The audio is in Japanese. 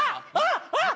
あっ！